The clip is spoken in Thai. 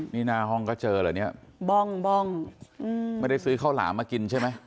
นี่หน้าห้องก็เจอเหรอเนี่ยบ้องบ้องอืมไม่ได้ซื้อข้าวหลามมากินใช่ไหม